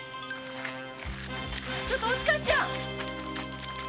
ちょっとおちかちゃん！